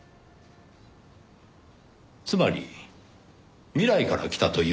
つまり未来から来たというんですね？